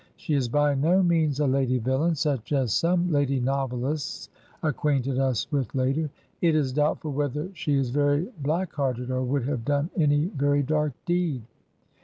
She is by no means a lady villain such as some lady novelists acquainted us with later; it is doubtful whether she is very black hearted, or would have done any very dark deed.